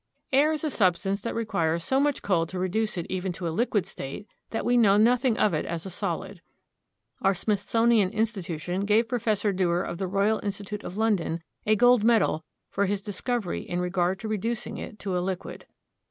Air is a substance that requires so much cold to reduce it even to a liquid state that we know nothing of it as a solid. Our Smithsonian Institution gave Professor Dewar of the Royal Institute of London a gold medal for his discovery in regard to reducing it to a liquid.